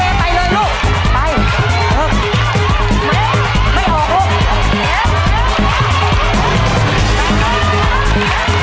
ไม่ออกได้ไหมเอาใหม่